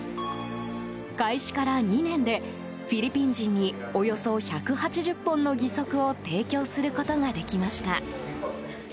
開始から２年でフィリピン人におよそ１８０本の義足を提供することができました。